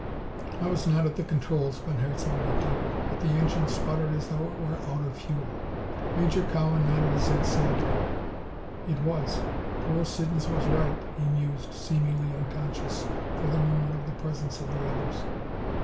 "I was not at the controls," von Herzmann continued, "but the engine sputtered as though it were out of fuel." Major Cowan nodded his head sadly. "It was. Poor Siddons was right," he mused, seemingly unconscious for the moment of the presence of the others.